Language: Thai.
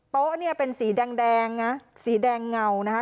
โต๊ะเนี่ยเป็นสีแดงนะสีแดงเงานะคะ